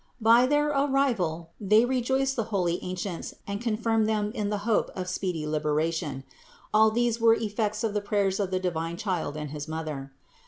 By their arrival they 580 CITY OF GOD rejoiced the holy ancients and confirmed them in the hope of speedy liberation. All these were effects of the prayers of the divine Child and his Mother.